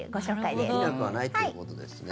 できなくはないということですね。